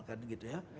kan gitu ya